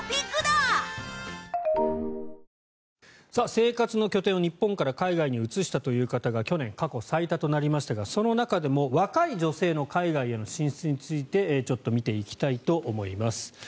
生活の拠点を日本から海外に移したという方が去年、過去最多となりましたがその中でも若い女性の海外への進出についてちょっと見ていきたいと思います。